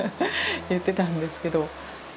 言ってたんですけど。